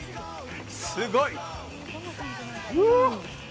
すごい。